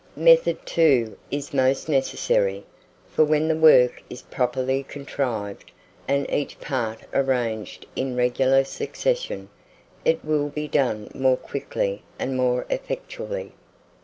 Method, too, is most necessary; for when the work is properly contrived, and each part arranged in regular succession, it will be done more quickly and more effectually.